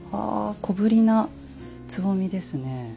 小ぶりなつぼみですね。